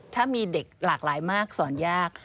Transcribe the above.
ถ้ามีเด็กหลากหลายมากสอนยาก